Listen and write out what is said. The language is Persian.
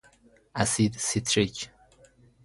اسید سیتریک